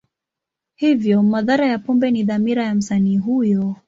Hivyo, madhara ya pombe ni dhamira ya msanii huyo.